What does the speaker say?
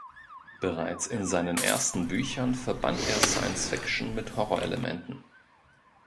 Bereits in seinen ersten Büchern verband er Science-Fiction mit Horror-Elementen.